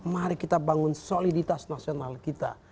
mari kita bangun soliditas nasional kita